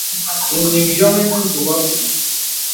Eniŋ yōŋ inə zūk abū.